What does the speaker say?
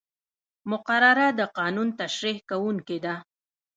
مقرره د قانون تشریح کوونکې ده.